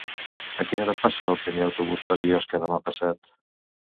A quina hora passa el primer autobús per Biosca demà passat?